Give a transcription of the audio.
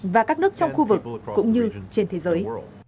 và các nước trong khu vực cũng như trên thế giới